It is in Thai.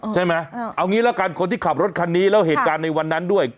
ใช่ไหมเอางี้ละกันคนที่ขับรถคันนี้แล้วเหตุการณ์ในวันนั้นด้วย